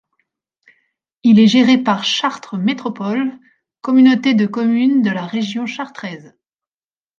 Il est géré par Chartres Métropole, communauté de communes de la région chartraise.